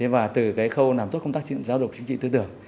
và từ khâu làm tốt công tác giáo dục chính trị tư tưởng